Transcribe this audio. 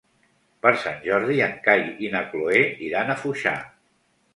Per Sant Jordi en Cai i na Cloè iran a Foixà.